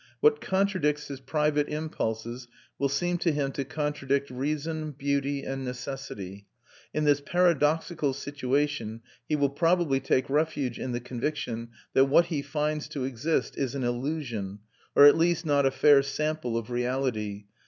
What contradicts his private impulses will seem to him to contradict reason, beauty, and necessity. In this paradoxical situation he will probably take refuge in the conviction that what he finds to exist is an illusion, or at least not a fair sample of reality.